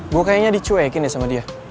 gua kayaknya di cewekin ya sama dia